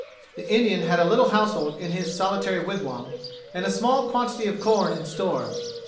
The Indian had a little household in his solitary wigwam, and a small quantity of corn in store.